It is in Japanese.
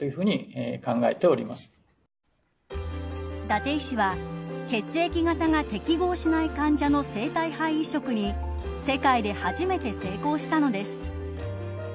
伊達医師は血液型が適合しない患者の生体肺移植に世界で初めて成功したのです。